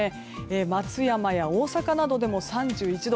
松山や大阪などでも３１度。